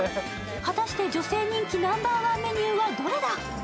果たして、女性人気ナンバーワンメニューはどれだ？